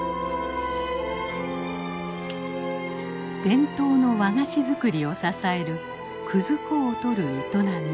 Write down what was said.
伝統の和菓子作りを支える葛粉を採る営み。